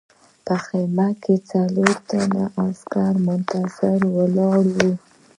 په خیمه کې څلور تنه عسکر منتظر ولاړ وو